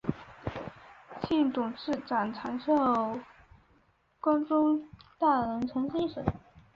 现时董事长及首席执行官朱大成先生。